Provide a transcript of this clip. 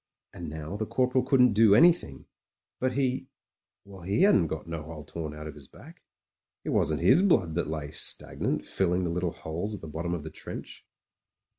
And now the Corporal couldn't do anything, but he — ^well, he hadn't got no hole torn out of his back. It wasn't his blood that lay stagnant, filling the little holes at the bottom of the trench.